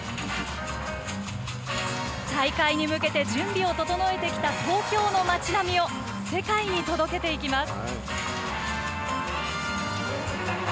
大会に向けて準備を整えてきた東京の街並みを世界に届けていきます。